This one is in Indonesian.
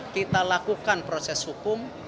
kita lakukan proses hukum